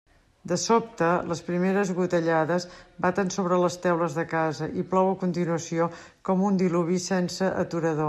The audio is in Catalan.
De sobte les primeres gotellades baten sobre les teules de casa i plou a continuació com un diluvi sense aturador.